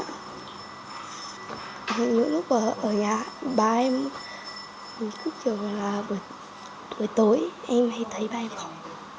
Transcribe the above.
những lúc ở nhà bà em mình cứ kiểu là buổi tối em hay thấy bà em khóc